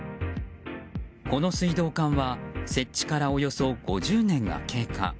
この水道管は設置からおよそ５０年が経過。